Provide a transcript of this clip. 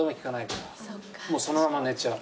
もうそのまま寝ちゃう。